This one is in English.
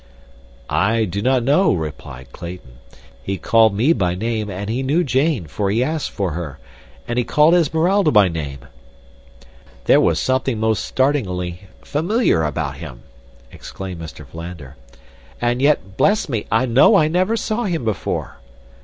"I do not know," replied Clayton. "He called me by name and he knew Jane, for he asked for her. And he called Esmeralda by name." "There was something most startlingly familiar about him," exclaimed Mr. Philander, "And yet, bless me, I know I never saw him before."